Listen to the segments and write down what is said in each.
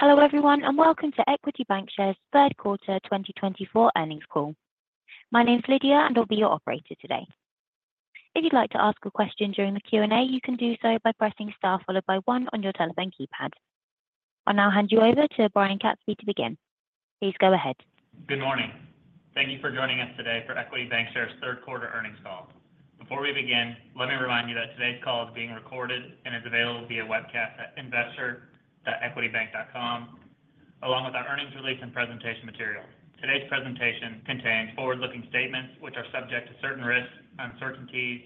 Hello, everyone, and welcome to Equity Bancshares' Q3 2024 earnings call. My name is Lydia, and I'll be your operator today. If you'd like to ask a question during the Q&A, you can do so by pressing star followed by one on your telephone keypad. I'll now hand you over to Brian Katz to begin. Please go ahead. Good morning. Thank you for joining us today for Equity Bancshares' Q3 earnings call. Before we begin, let me remind you that today's call is being recorded and is available via webcast at investor.equitybanc.com, along with our earnings release and presentation material. Today's presentation contains forward-looking statements which are subject to certain risks, uncertainties,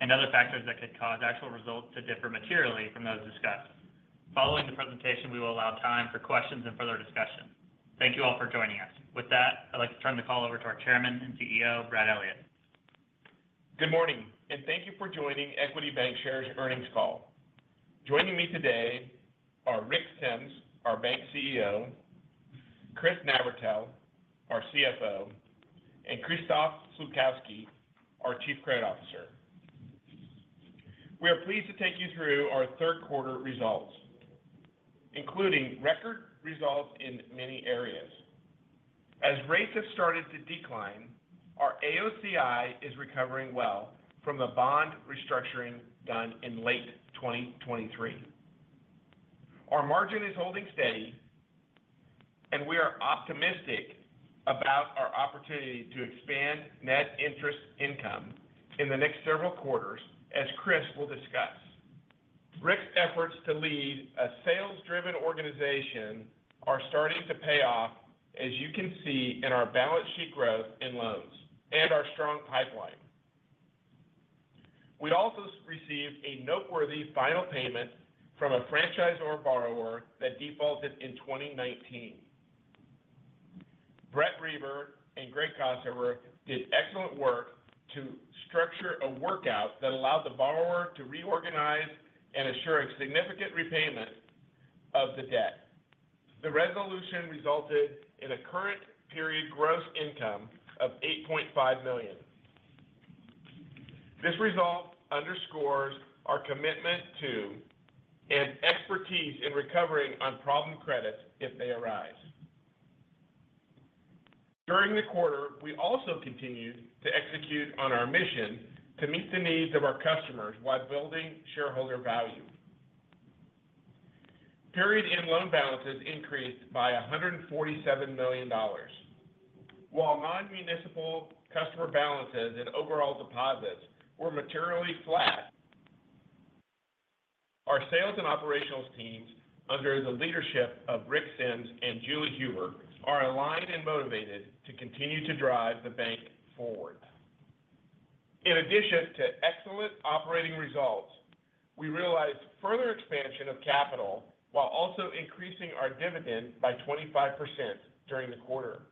and other factors that could cause actual results to differ materially from those discussed. Following the presentation, we will allow time for questions and further discussion. Thank you all for joining us. With that, I'd like to turn the call over to our Chairman and CEO, Brad Elliott. Good morning, and thank you for joining Equity Bancshares' earnings call. Joining me today are Rick Sims, our Bank CEO, Chris Navratil, our CFO, and Krzysztof Slupkowski, our Chief Credit Officer. We are pleased to take you through our Q3 results, including record results in many areas. As rates have started to decline, our AOCI is recovering well from the bond restructuring done in late 2023. Our margin is holding steady, and we are optimistic about our opportunity to expand net interest income in the next several quarters, as Chris will discuss. Rick's efforts to lead a sales-driven organization are starting to pay off, as you can see in our balance sheet growth in loans and our strong pipeline. We also received a noteworthy final payment from a franchisor borrower that defaulted in 2019. Brett Reber and Greg Kossover did excellent work to structure a workout that allowed the borrower to reorganize and ensure a significant repayment of the debt. The resolution resulted in a current period gross income of $8.5 million. This result underscores our commitment to and expertise in recovering on problem credits if they arise. During the quarter, we also continued to execute on our mission to meet the needs of our customers while building shareholder value. Period-end loan balances increased by $147 million. While non-municipal customer balances and overall deposits were materially flat, our sales and operational teams, under the leadership of Rick Sems and Julie Huber, are aligned and motivated to continue to drive the bank forward. In addition to excellent operating results, we realized further expansion of capital while also increasing our dividend by 25% during the quarter,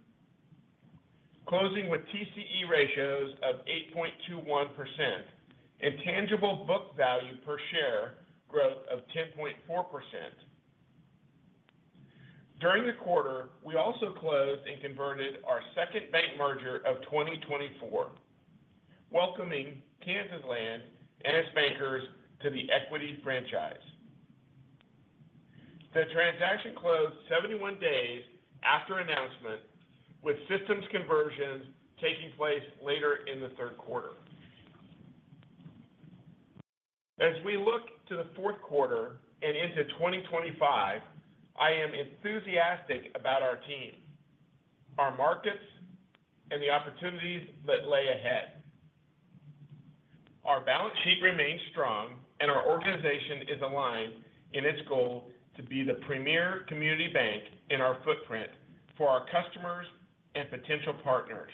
closing with TCE ratios of 8.21% and tangible book value per share growth of 10.4%. During the quarter, we also closed and converted our second bank merger of 2024, welcoming KansasLand Bank and its bankers to the Equity franchise. The transaction closed 71 days after announcement, with systems conversions taking place later in the Q3. As we look to the Q4 and into 2025, I am enthusiastic about our team, our markets, and the opportunities that lay ahead. Our balance sheet remains strong, and our organization is aligned in its goal to be the premier community bank in our footprint for our customers and potential partners.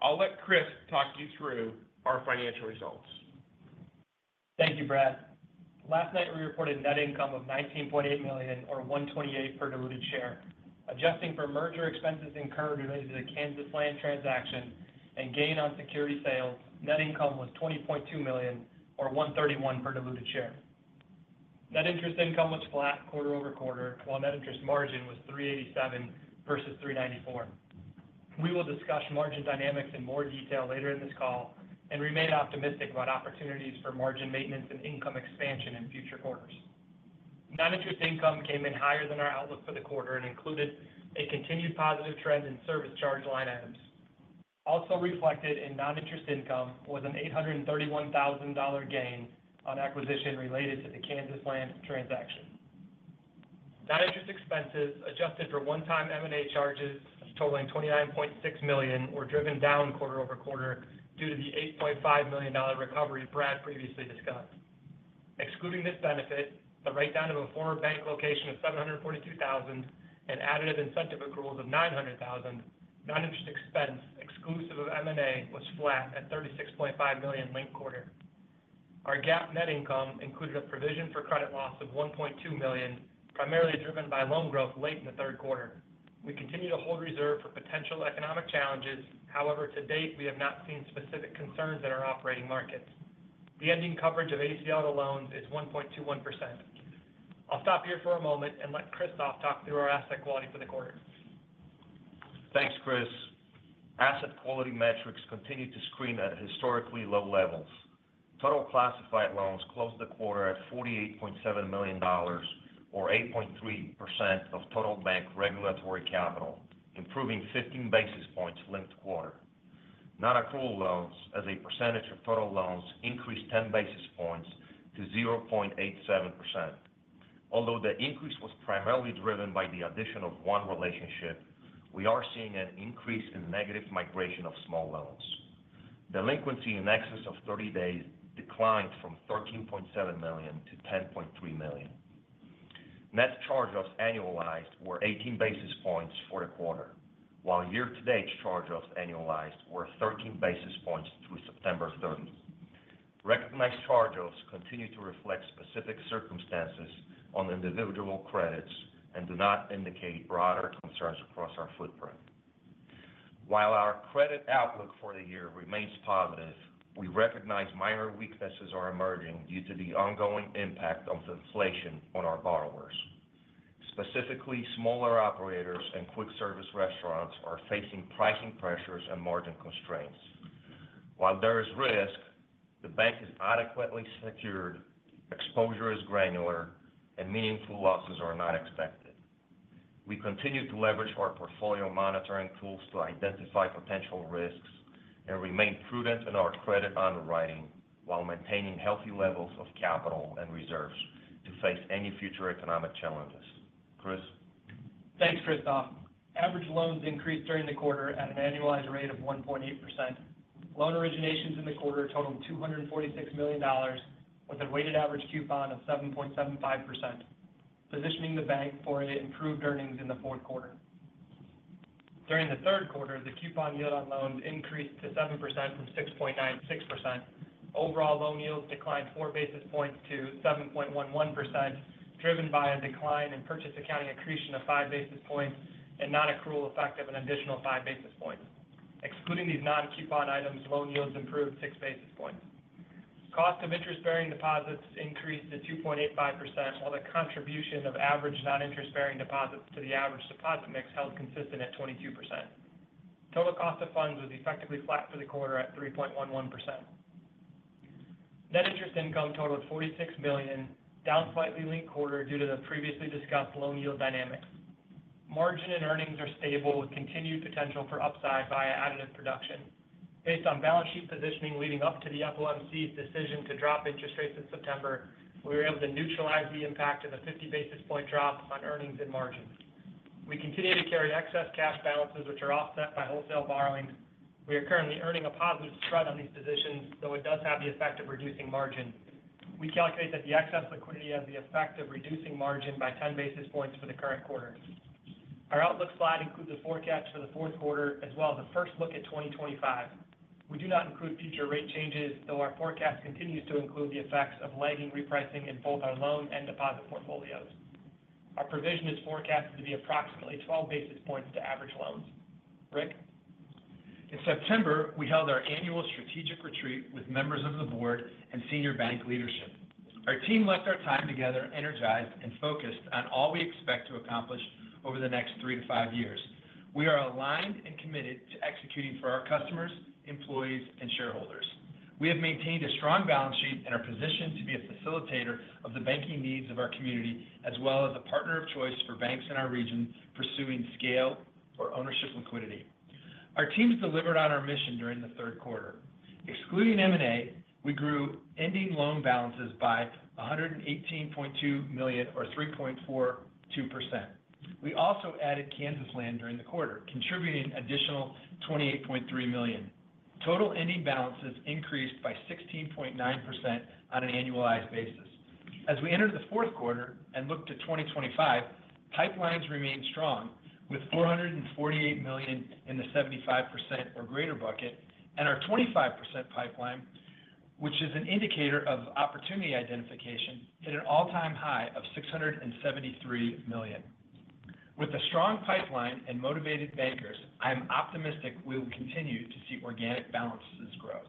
I'll let Chris talk you through our financial results. Thank you, Brad. Last night, we reported net income of $19.8 million or $1.28 per diluted share. Adjusting for merger expenses incurred related to the KansasLand transaction and gain on security sales, net income was $20.2 million or $1.31 per diluted share. Net interest income was flat quarter over quarter, while net interest margin was 3.87% versus 3.94%. We will discuss margin dynamics in more detail later in this call and remain optimistic about opportunities for margin maintenance and income expansion in future quarters. Non-interest income came in higher than our outlook for the quarter and included a continued positive trend in service charge line items. Also reflected in non-interest income was an $831,000 gain on acquisition related to the KansasLand transaction. Non-interest expenses, adjusted for one-time M&A charges totaling $29.6 million, were driven down quarter over quarter due to the $8.5 million recovery Brad previously discussed. Excluding this benefit, the write-down of a former bank location of $742,000 and additive incentive accruals of $900,000, non-interest expense, exclusive of M&A, was flat at $36.5 million linked quarter. Our GAAP net income included a provision for credit loss of $1.2 million, primarily driven by loan growth late in the Q3. We continue to hold reserve for potential economic challenges. However, to date, we have not seen specific concerns in our operating markets. The ending coverage of ACL loans is 1.21%. I'll stop here for a moment and let Krzysztof talk through our asset quality for the quarter. Thanks, Chris. Asset quality metrics continue to screen at historically low levels. Total classified loans closed the quarter at $48.7 million, or 8.3% of total bank regulatory capital, improving 15 basis points linked quarter. Non-accrual loans as a percentage of total loans increased 10 basis points to 0.87%. Although the increase was primarily driven by the addition of one relationship, we are seeing an increase in negative migration of small loans. Delinquency in excess of 30 days declined from $13.7 million to 10.3 million. Net charge-offs annualized were 18 basis points for the quarter, while year-to-date charge-offs annualized were 13 basis points through September 30. Recognized charge-offs continue to reflect specific circumstances on individual credits and do not indicate broader concerns across our footprint. While our credit outlook for the year remains positive, we recognize minor weaknesses are emerging due to the ongoing impact of inflation on our borrowers. Specifically, smaller operators and quick service restaurants are facing pricing pressures and margin constraints. While there is risk, the bank is adequately secured, exposure is granular, and meaningful losses are not expected. We continue to leverage our portfolio monitoring tools to identify potential risks and remain prudent in our credit underwriting, while maintaining healthy levels of capital and reserves to face any future economic challenges. Chris? Thanks, Krzysztof. Average loans increased during the quarter at an annualized rate of 1.8%. Loan originations in the quarter totaled $246 million, with a weighted average coupon of 7.75%, positioning the bank for an improved earnings in the Q4. During the Q3, the coupon yield on loans increased to 7% from 6.96%. Overall, loan yields declined four basis points to 7.11%, driven by a decline in purchase accounting accretion of five basis points and non-accrual effect of an additional five basis points. Excluding these non-coupon items, loan yields improved six basis points. Cost of interest-bearing deposits increased to 2.85%, while the contribution of average non-interest-bearing deposits to the average deposit mix held consistent at 22%. Total cost of funds was effectively flat for the quarter at 3.11%. Net interest income totaled $46 million, down slightly linked quarter due to the previously discussed loan yield dynamics. Margin and earnings are stable, with continued potential for upside via additive production. Based on balance sheet positioning leading up to the FOMC's decision to drop interest rates in September, we were able to neutralize the impact of a 50 basis points drop on earnings and margins. We continue to carry excess cash balances, which are offset by wholesale borrowing. We are currently earning a positive spread on these positions, though it does have the effect of reducing margin. We calculate that the excess liquidity has the effect of reducing margin by 10 basis points for the current quarter. Our outlook slide includes a forecast for the Q4 as well as a first look at 2025. We do not include future rate changes, though our forecast continues to include the effects of lagging repricing in both our loan and deposit portfolios. Our provision is forecasted to be approximately twelve basis points to average loans. Rick? In September, we held our annual strategic retreat with members of the board and senior bank leadership. Our team left our time together energized and focused on all we expect to accomplish over the next three to five years. We are aligned and committed to executing for our customers, employees, and shareholders. We have maintained a strong balance sheet and are positioned to be a facilitator of the banking needs of our community, as well as a partner of choice for banks in our region pursuing scale or ownership liquidity. Our teams delivered on our mission during the Q3. Excluding M&A, we grew ending loan balances by $118.2 million, or 3.42%. We also added KansasLand during the quarter, contributing an additional $28.3 million. Total ending balances increased by 16.9% on an annualized basis. As we enter the Q4 and look to 2025, pipelines remain strong, with $448 million in the 75% or greater bucket, and our 25% pipeline, which is an indicator of opportunity identification, hit an all-time high of $673 million. With a strong pipeline and motivated bankers, I am optimistic we will continue to see organic balances growth.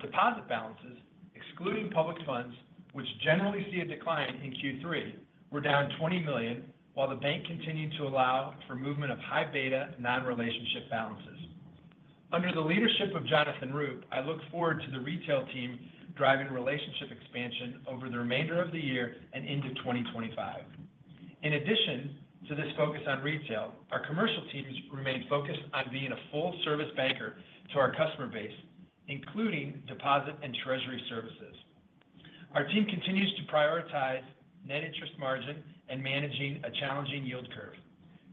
Deposit balances, excluding public funds, which generally see a decline in Q3, were down $20 million, while the bank continued to allow for movement of high beta non-relationship balances. Under the leadership of Jonathan Roop, I look forward to the retail team driving relationship expansion over the remainder of the year and into 2025. In addition to this focus on retail, our commercial teams remain focused on being a full-service banker to our customer base, including deposit and treasury services. Our team continues to prioritize net interest margin and managing a challenging yield curve.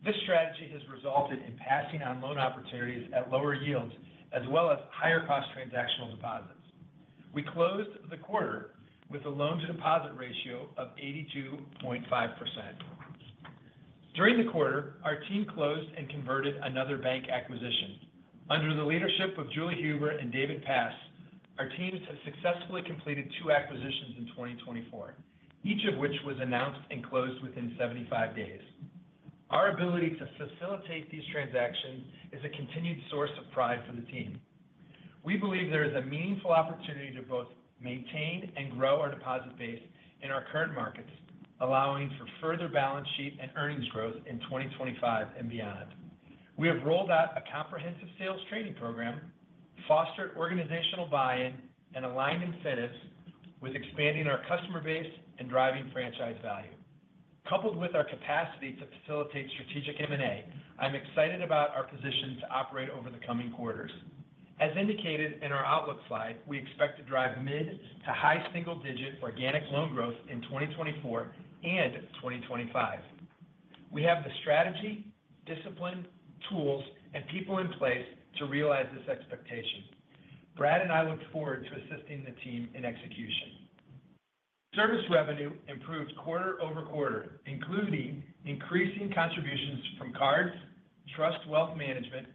This strategy has resulted in passing on loan opportunities at lower yields, as well as higher cost transactional deposits. We closed the quarter with a loan-to-deposit ratio of 82.5%. During the quarter, our team closed and converted another bank acquisition. Under the leadership of Julie Huber and David Pass, our teams have successfully completed two acquisitions in 2024, each of which was announced and closed within 75 days. Our ability to facilitate these transactions is a continued source of pride for the team.... We believe there is a meaningful opportunity to both maintain and grow our deposit base in our current markets, allowing for further balance sheet and earnings growth in 2025 and beyond. We have rolled out a comprehensive sales training program, fostered organizational buy-in, and aligned incentives with expanding our customer base and driving franchise value. Coupled with our capacity to facilitate strategic M&A, I'm excited about our position to operate over the coming quarters. As indicated in our outlook slide, we expect to drive mid- to high-single-digit organic loan growth in 2024 and 2025. We have the strategy, discipline, tools, and people in place to realize this expectation. Brad and I look forward to assisting the team in execution. Service revenue improved quarter over quarter, including increasing contributions from cards, trust, wealth management,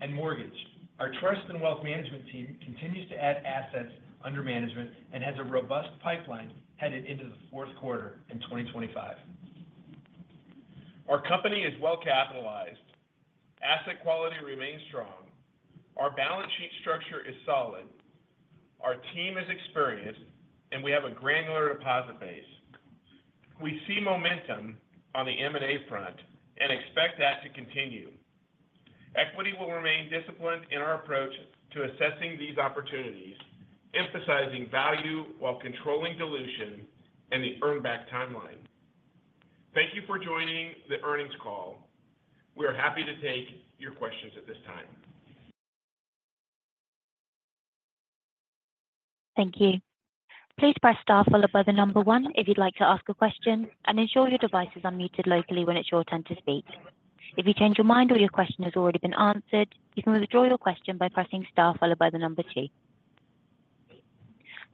and mortgage. Our trust and wealth management team continues to add assets under management and has a robust pipeline headed into the Q4 in 2025. Our company is well capitalized, asset quality remains strong, our balance sheet structure is solid, our team is experienced, and we have a granular deposit base. We see momentum on the M&A front and expect that to continue. Equity will remain disciplined in our approach to assessing these opportunities, emphasizing value while controlling dilution and the earn back timeline. Thank you for joining the earnings call. We are happy to take your questions at this time. Thank you. Please press Star followed by the number one if you'd like to ask a question, and ensure your devices are muted locally when it's your turn to speak. If you change your mind or your question has already been answered, you can withdraw your question by pressing Star followed by the number two.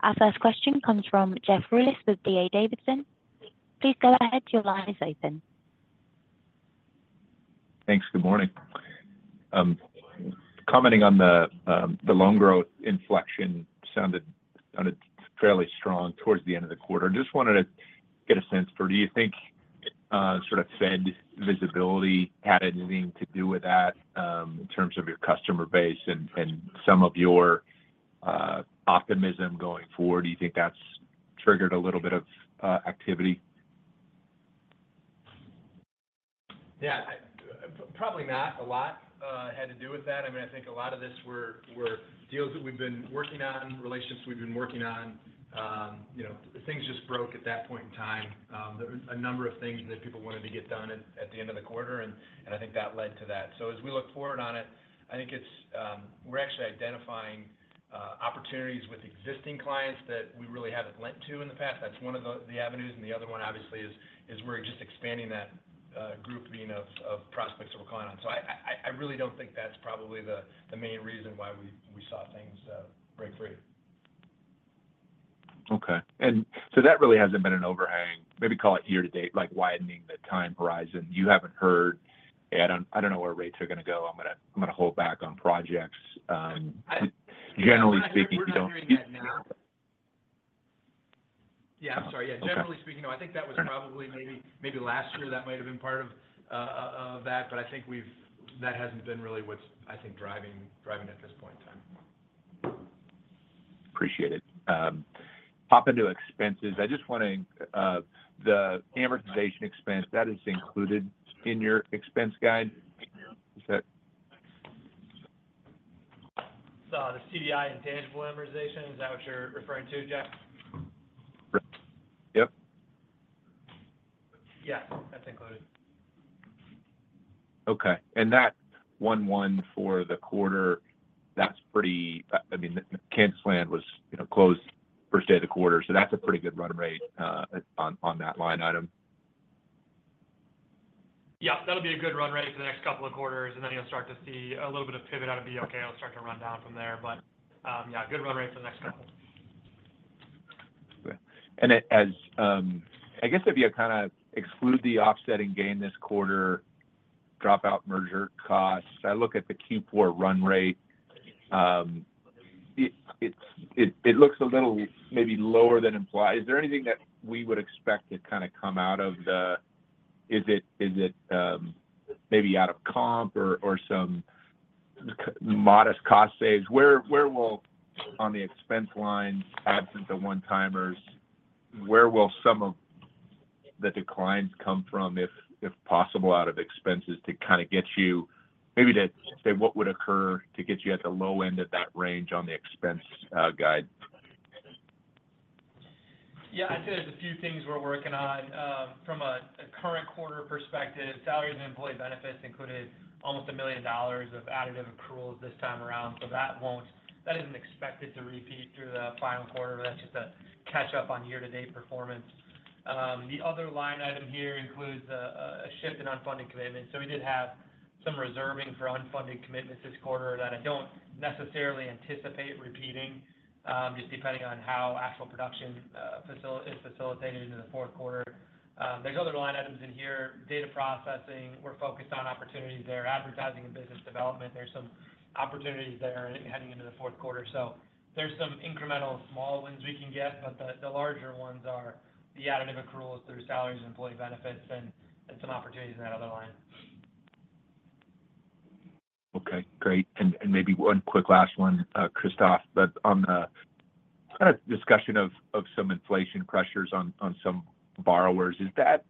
Our first question comes from Jeff Rulis with D.A. Davidson. Please go ahead, your line is open. Thanks. Good morning. Commenting on the loan growth inflection sounded fairly strong towards the end of the quarter. Just wanted to get a sense for, do you think sort of Fed visibility had anything to do with that, in terms of your customer base and some of your optimism going forward? Do you think that's triggered a little bit of activity? Yeah, probably not a lot had to do with that. I mean, I think a lot of this were deals that we've been working on, relationships we've been working on. You know, things just broke at that point in time. There was a number of things that people wanted to get done at the end of the quarter, and I think that led to that. So as we look forward on it, I think it's we're actually identifying opportunities with existing clients that we really haven't lent to in the past. That's one of the avenues, and the other one, obviously, is we're just expanding that group of prospects that we're calling on. So I really don't think that's probably the main reason why we saw things break free. Okay. And so that really hasn't been an overhang, maybe call it year to date, like widening the time horizon. You haven't heard, "I don't, I don't know where rates are going to go. I'm gonna, I'm gonna hold back on projects," generally speaking, you don't- We're not hearing that now. Yeah, I'm sorry. Okay. Yeah, generally speaking, I think that was probably maybe last year that might have been part of that, but I think that hasn't been really what's, I think, driving at this point in time. Appreciate it. Pop into expenses. I just want to, the amortization expense, that is included in your expense guide? Is that- So the CDI and tangible amortization, is that what you're referring to, Jeff? Yep. Yes, that's included. Okay. And that one, one for the quarter, that's pretty. I mean, KansasLand was, you know, closed first day of the quarter, so that's a pretty good run rate on that line item. Yeah, that'll be a good run rate for the next couple of quarters, and then you'll start to see a little bit of pivot out of the OK. It'll start to run down from there. But, yeah, good run rate for the next couple. Okay. And as I guess if you kind of exclude the offset and gain this quarter, drop out merger costs, I look at the Q4 run rate, it looks a little maybe lower than implied. Is there anything that we would expect to kind of come out of the? Is it maybe out of comp or some modest cost saves? Where will, on the expense line, absent the one-timers, where will some of the declines come from, if possible, out of expenses to kind of get you maybe to say, what would occur to get you at the low end of that range on the expense guide? Yeah, I'd say there's a few things we're working on. From a current quarter perspective, salaries and employee benefits included almost $1 million of additive accruals this time around. So that won't, that isn't expected to repeat through the final quarter. That's just a catch up on year-to-date performance. The other line item here includes a shift in unfunded commitments. So we did have some reserving for unfunded commitments this quarter that I don't necessarily anticipate repeating, just depending on how actual production is facilitated in the Q4. There's other line items in here, data processing. We're focused on opportunities there, advertising and business development. There's some opportunities there heading into the Q4. So there's some incremental small wins we can get, but the larger ones are the additive accruals through salaries and employee benefits and some opportunities in that other line. Okay, great. And maybe one quick last one, Krzysztof, but on the kind of discussion of some inflation pressures on some borrowers, is that,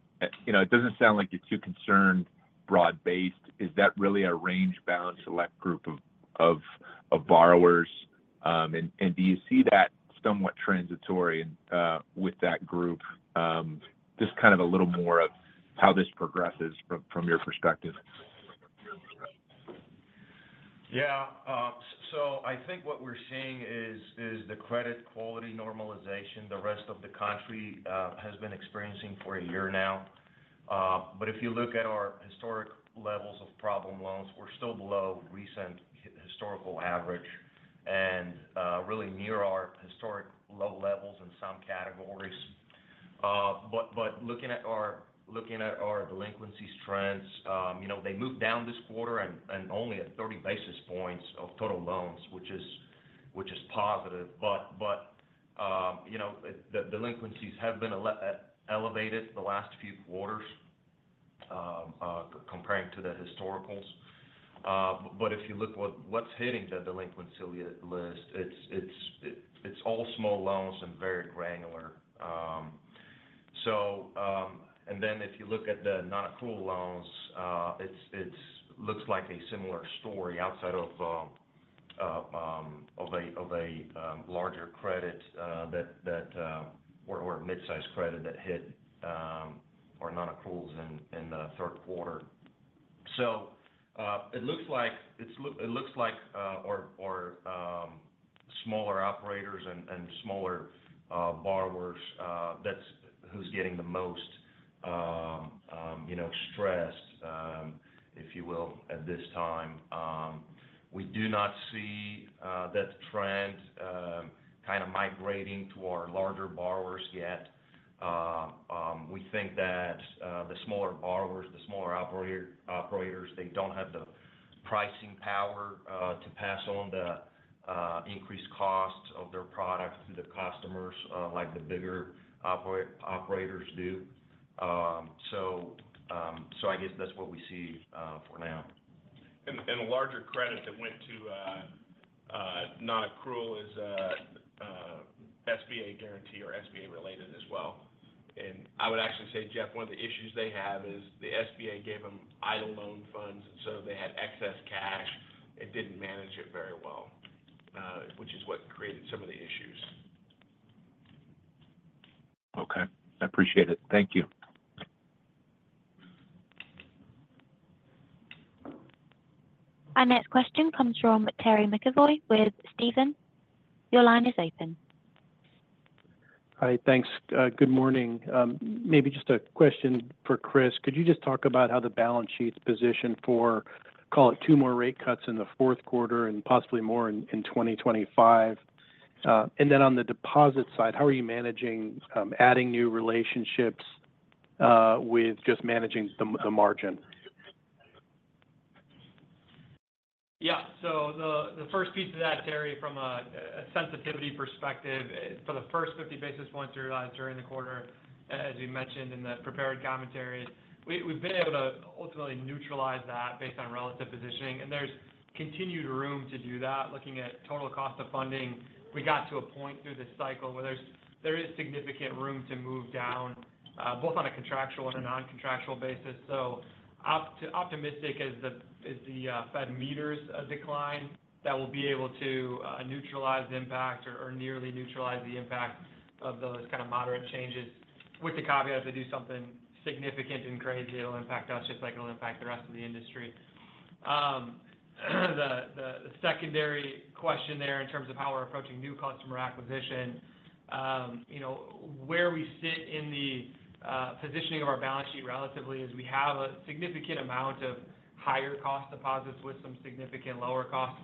you know, it doesn't sound like you're too concerned broad-based. Is that really a range-bound select group of borrowers? And do you see that somewhat transitory with that group? Just kind of a little more of how this progresses from your perspective. Yeah, so I think what we're seeing is the credit quality normalization the rest of the country has been experiencing for a year now. But if you look at our historic levels of problem loans, we're still below recent historical average and really near our historic low levels in some categories. But you know, they moved down this quarter and only at thirty basis points of total loans, which is positive. But you know, the delinquencies have been elevated the last few quarters, comparing to the historicals. But if you look what's hitting the delinquency list, it's all small loans and very granular. So, and then if you look at the non-accrual loans, it looks like a similar story outside of a larger credit or a mid-sized credit that hit our non-accruals in the Q3. So, it looks like smaller operators and smaller borrowers that's who's getting the most, you know, stressed, if you will, at this time. We do not see that trend kind of migrating to our larger borrowers yet. We think that the smaller borrowers, the smaller operators, they don't have the pricing power to pass on the increased costs of their products to the customers like the bigger operators do. I guess that's what we see for now. And the larger credit that went to non-accrual is SBA guarantee or SBA-related as well. And I would actually say, Jeff, one of the issues they have is the SBA gave them EIDL loan funds, and so they had excess cash and didn't manage it very well, which is what created some of the issues. Okay, I appreciate it. Thank you. Our next question comes from Terry McEvoy with Stephens. Your line is open. Hi, thanks. Good morning. Maybe just a question for Chris. Could you just talk about how the balance sheet's positioned for, call it, two more rate cuts in the Q4 and possibly more in 2025? And then on the deposit side, how are you managing adding new relationships with just managing the margin? Yeah. So the first piece of that, Terry, from a sensitivity perspective, for the first 50 basis points during the quarter, as we mentioned in the prepared commentary, we've been able to ultimately neutralize that based on relative positioning, and there's continued room to do that. Looking at total cost of funding, we got to a point through this cycle where there is significant room to move down both on a contractual and a non-contractual basis. So optimistic as the Fed meters a decline, that we'll be able to neutralize the impact or nearly neutralize the impact of those kind of moderate changes, with the caveat, if they do something significant and crazy, it'll impact us, just like it'll impact the rest of the industry. The secondary question there, in terms of how we're approaching new customer acquisition, you know, where we sit in the positioning of our balance sheet relatively is we have a significant amount of higher cost deposits with some significant lower cost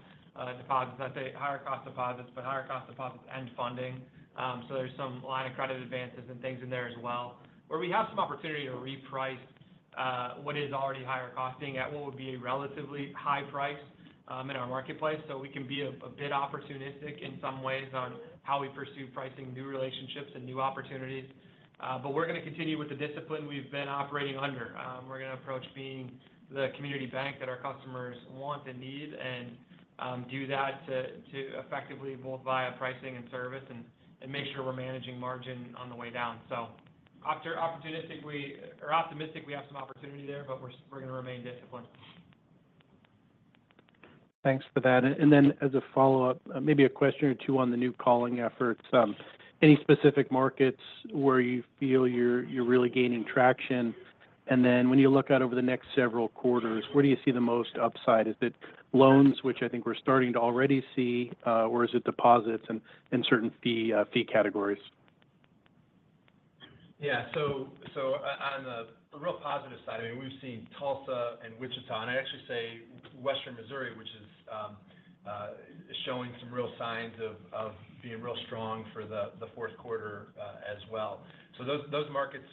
deposits. I'd say higher cost deposits, but higher cost deposits and funding, so there's some line of credit advances and things in there as well, where we have some opportunity to reprice what is already higher costing at what would be a relatively high price in our marketplace, so we can be a bit opportunistic in some ways on how we pursue pricing new relationships and new opportunities, but we're going to continue with the discipline we've been operating under. We're going to approach being the community bank that our customers want and need and do that to effectively both via pricing and service and make sure we're managing margin on the way down. So opportunistic, we are optimistic we have some opportunity there, but we're going to remain disciplined. Thanks for that. And then, as a follow-up, maybe a question or two on the new calling efforts. Any specific markets where you feel you're really gaining traction? And then when you look out over the next several quarters, where do you see the most upside? Is it loans, which I think we're starting to already see, or is it deposits in certain fee categories? Yeah. So on the real positive side, I mean, we've seen Tulsa and Wichita, and I'd actually say Western Missouri, which is showing some real signs of being real strong for the Q4 as well. So those markets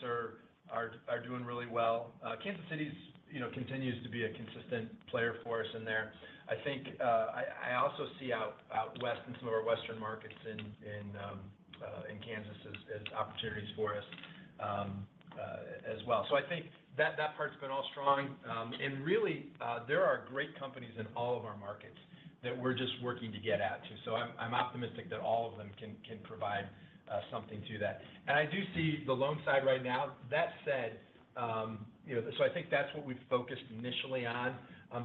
are doing really well. Kansas City, you know, continues to be a consistent player for us in there. I think I also see out west in some of our western markets in Kansas as opportunities for us as well. So I think that part's been all strong. And really, there are great companies in all of our markets that we're just working to get out to. So I'm optimistic that all of them can provide something to that. And I do see the loan side right now. That said, you know, so I think that's what we've focused initially on.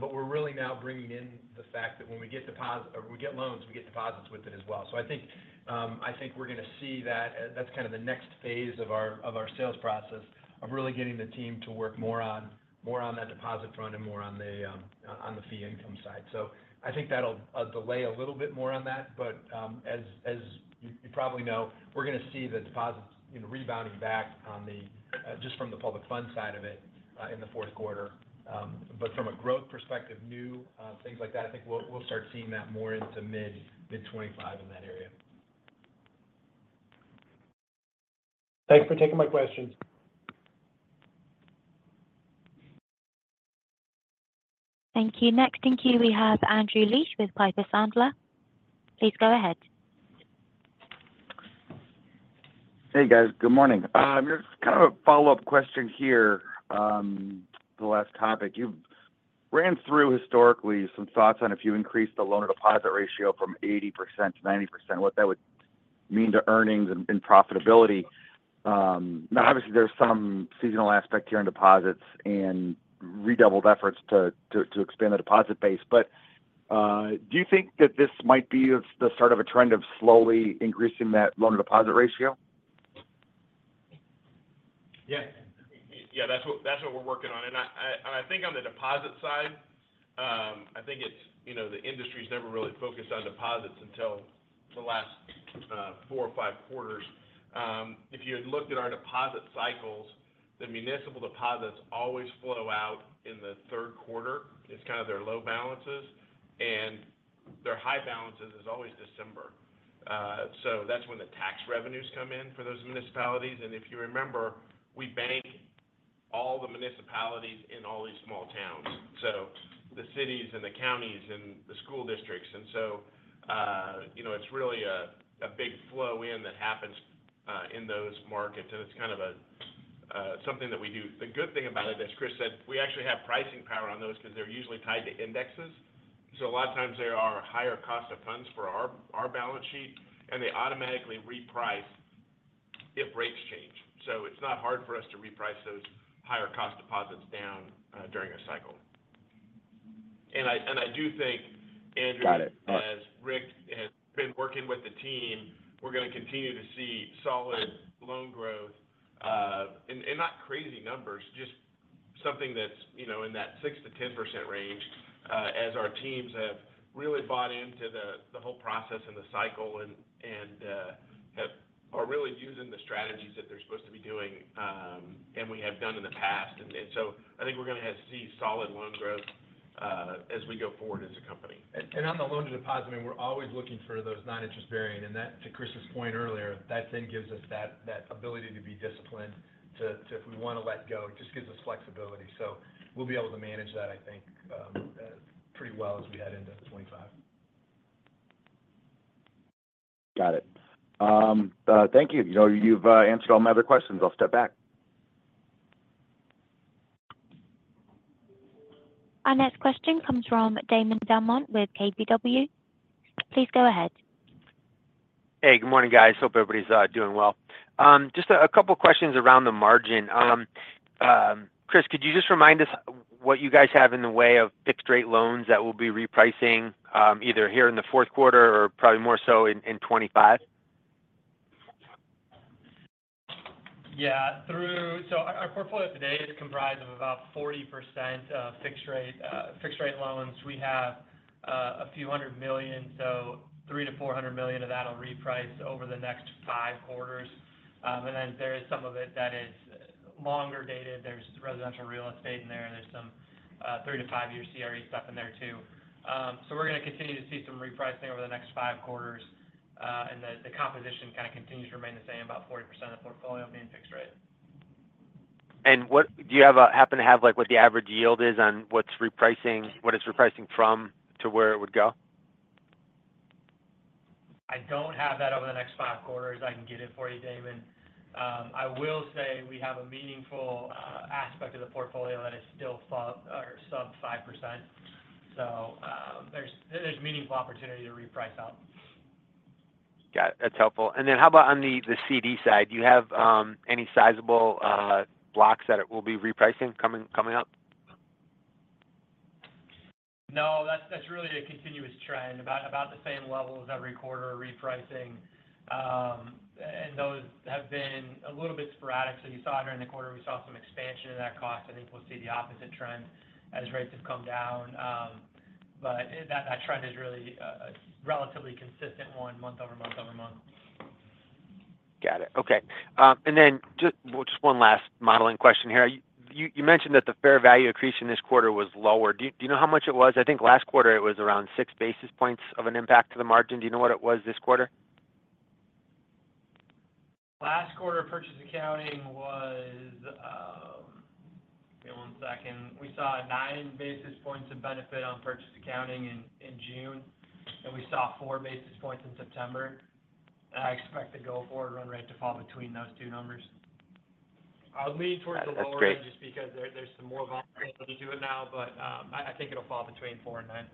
But we're really now bringing in the fact that when we get deposits or we get loans, we get deposits with it as well. So I think we're going to see that as that's kind of the next phase of our sales process, of really getting the team to work more on that deposit front and more on the fee income side. So I think that'll delay a little bit more on that. But as you probably know, we're going to see the deposits you know rebounding back just from the public fund side of it in the Q4. But from a growth perspective, new things like that, I think we'll start seeing that more into mid-2025 in that area. Thanks for taking my questions. Thank you. Next in queue, we have Andrew Liesch with Piper Sandler. Please go ahead. Hey, guys. Good morning. Just kind of a follow-up question here. The last topic, you ran through historically some thoughts on if you increased the loan-to-deposit ratio from 80% to 90%, what that would mean to earnings and profitability. Now, obviously, there's some seasonal aspect here in deposits and redoubled efforts to expand the deposit base. But, do you think that this might be the start of a trend of slowly increasing that loan-to-deposit ratio? Yeah. Yeah, that's what we're working on. And I think on the deposit side, I think it's, you know, the industry's never really focused on deposits until the last four or five quarters. If you had looked at our deposit cycles, the municipal deposits always flow out in the Q3. It's kind of their low balances, and their high balances is always December. So that's when the tax revenues come in for those municipalities. And if you remember, we bank all the municipalities in all these small towns, so the cities and the counties and the school districts. And so, you know, it's really a big flow in that happens in those markets, and it's kind of a something that we do. The good thing about it, as Chris said, we actually have pricing power on those because they're usually tied to indexes. So a lot of times they are higher cost of funds for our balance sheet, and they automatically reprice if rates change. So it's not hard for us to reprice those higher-cost deposits down during a cycle. And I do think, Andrew- Got it. as Rick has been working with the team, we're going to continue to see solid loan growth, and not crazy numbers, just something that's, you know, in that 6% to 10% range, as our teams have really bought into the whole process and the cycle and are really using the strategies that they're supposed to be doing, and we have done in the past, so I think we're going to see solid loan growth, as we go forward as a company. On the loan-to-deposit, I mean, we're always looking for those non-interest-bearing. And that, to Chris's point earlier, then gives us that ability to be disciplined to if we want to let go, it just gives us flexibility. So we'll be able to manage that, I think, pretty well as we head into 2025. Got it. Thank you. You know, you've answered all my other questions. I'll step back. Our next question comes from Damon DelMonte with KBW. Please go ahead. Hey, good morning, guys. Hope everybody's doing well. Just a couple questions around the margin. Chris, could you just remind us what you guys have in the way of fixed-rate loans that will be repricing either here in the Q4 or probably more so in 2025? Yeah. So our portfolio today is comprised of about 40% of fixed rate, fixed-rate loans. We have a few hundred million, so $300 million to 400 million of that will reprice over the next five quarters. And then there is some of it that is longer dated. There's residential real estate in there, and there's some 3 to 5 year CRE stuff in there, too. So we're going to continue to see some repricing over the next five quarters, and the composition kind of continues to remain the same, about 40% of the portfolio being fixed rate. Do you happen to have, like, what the average yield is on what's repricing, what it's repricing from to where it would go? I don't have that over the next five quarters. I can get it for you, Damon. I will say we have a meaningful aspect of the portfolio that is still or sub 5%. So, there's meaningful opportunity to reprice out. Got it. That's helpful. And then how about on the CD side? Do you have any sizable blocks that it will be repricing coming up? No, that's really a continuous trend, about the same levels every quarter repricing, and those have been a little bit sporadic, so you saw it during the quarter, we saw some expansion in that cost. I think we'll see the opposite trend as rates have come down, but that trend is really a relatively consistent one, month over month over month. Got it. Okay, and then just, well, just one last modeling question here. You mentioned that the fair value accretion this quarter was lower. Do you know how much it was? I think last quarter it was around six basis points of an impact to the margin. Do you know what it was this quarter? Last quarter, purchase accounting was. We saw nine basis points of benefit on purchase accounting in June, and we saw four basis points in September. And I expect the go-forward run rate to fall between those two numbers. I'll lean towards the lower end- That's great. just because there's some more volatility to it now, but I think it'll fall between four and nine.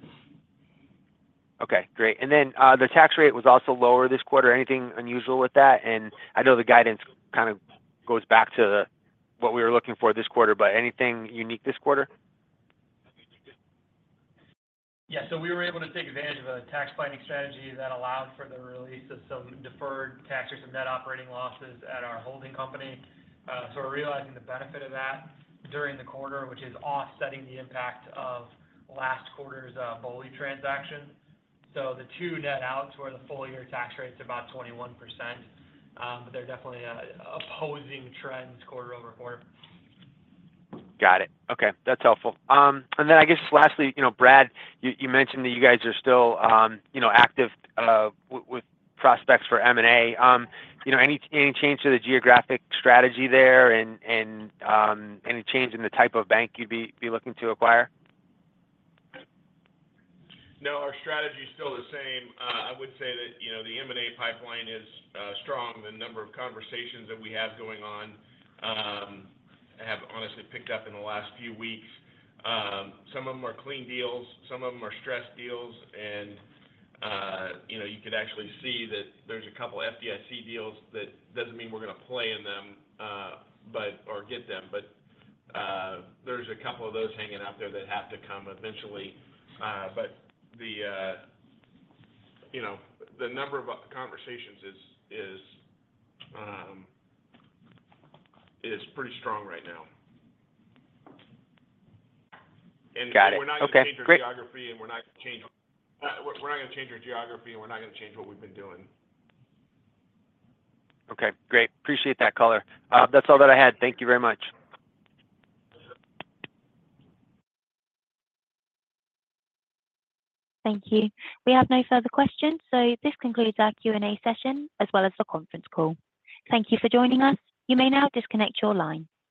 Okay, great. And then, the tax rate was also lower this quarter. Anything unusual with that? And I know the guidance kind of goes back to what we were looking for this quarter, but anything unique this quarter? Yeah. So we were able to take advantage of a tax planning strategy that allowed for the release of some deferred taxes and net operating losses at our holding company. So we're realizing the benefit of that during the quarter, which is offsetting the impact of last quarter's BOLI transaction. So the two net out, where the full year tax rate's about 21%, but they're definitely opposing trends quarter over quarter. Got it. Okay, that's helpful. And then I guess lastly, you know, Brad, you mentioned that you guys are still, you know, active with prospects for M&A. You know, any change to the geographic strategy there and any change in the type of bank you'd be looking to acquire? No, our strategy is still the same. I would say that, you know, the M&A pipeline is strong. The number of conversations that we have going on have honestly picked up in the last few weeks. Some of them are clean deals, some of them are stressed deals, and, you know, you could actually see that there's a couple of FDIC deals. That doesn't mean we're going to play in them, but or get them, but, there's a couple of those hanging out there that have to come eventually. But the, you know, the number of conversations is pretty strong right now. Got it. Okay, great. And we're not going to change our geography, and we're not going to change what we've been doing. Okay, great. Appreciate that color. That's all that I had. Thank you very much. Thank you. We have no further questions, so this concludes our Q&A session as well as the conference call. Thank you for joining us. You may now disconnect your line.